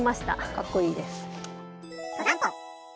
かっこいいです。